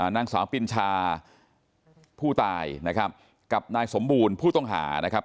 นางสาวปินชาผู้ตายนะครับกับนายสมบูรณ์ผู้ต้องหานะครับ